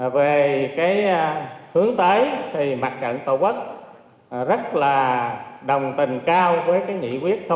về cái hướng tới thì mặt cạnh tàu quốc rất là đồng tình cao với cái nghị quyết một hai